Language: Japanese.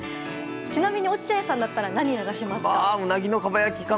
ちなみに落合さんだったら何を流しますか。